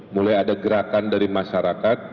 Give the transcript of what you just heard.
mulai ada gerakan dari masyarakat